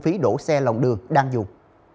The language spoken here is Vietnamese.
phần mềm thu phí đổ xe lòng đường đang dùng